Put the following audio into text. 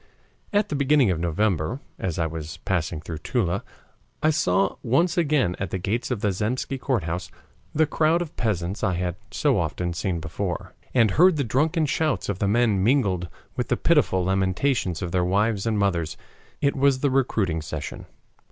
At the beginning of November, as I was passing through Toula, I saw once again at the gates of the Zemsky Courthouse the crowd of peasants I had so often seen before, and heard the drunken shouts of the men mingled with the pitiful lamentations of their wives and mothers. It was the recruiting session.